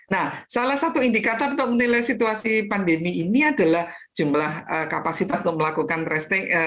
nah salah satu indikator untuk menilai situasi pandemi ini adalah jumlah kapasitas untuk melakukan testing